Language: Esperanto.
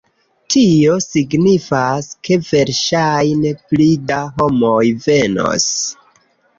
Tio signifas, ke verŝajne pli da homoj venos